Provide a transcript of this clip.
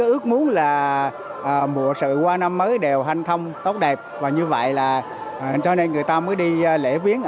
ước muốn là mùa sự qua năm mới đều hanh thông tốt đẹp và như vậy là cho nên người ta mới đi lễ viếng